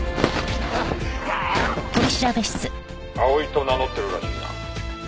「葵と名乗ってるらしいな」